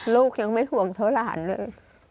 ลูกยังไม่ห่วงเท่าหลานเลย